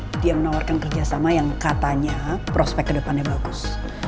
ya dia menawarkan kerjasama yang katanya prospek kedepannya bagus